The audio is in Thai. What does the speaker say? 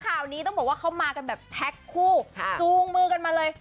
ข่าวนี้ต้องบอกว่าเขามากันแบบแพ็คคู่จูงมือกันมาเลย